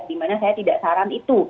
di mana saya tidak saran itu